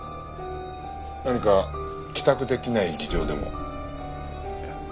何か帰宅出来ない事情でも？